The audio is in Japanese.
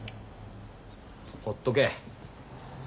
ほっとけ。